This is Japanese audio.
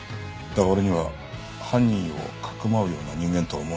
だが俺には犯人を匿うような人間とは思えん。